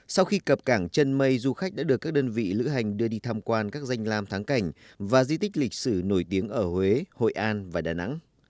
sau khi cập cảng chân mây du khách đã được các đơn vị lữ hành đưa đi tham quan các danh lam thắng cảnh và di tích lịch sử nổi tiếng ở huế hội an và đà nẵng